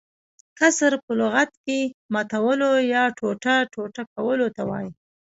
کسر په لغت کښي ماتولو يا ټوټه - ټوټه کولو ته وايي.